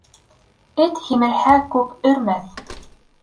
Эт һимерһә, күп өрмәҫ.